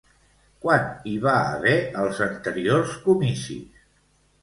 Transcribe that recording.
Quan hi va haver els anteriors comicis?